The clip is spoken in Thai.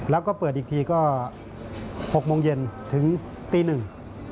แล้วก็เปิดอีกทีก็หกโมงเย็นถึงตีหนึ่ง